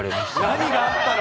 何があったの？